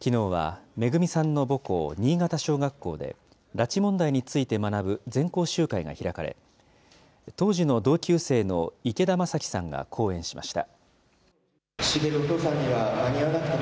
きのうはめぐみさんの母校、新潟小学校で、拉致問題について学ぶ、全校集会が開かれ、当時の同級生の池田正樹さんが講演しました。